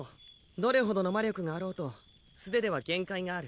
どれほどの魔力があろうと素手では限界がある。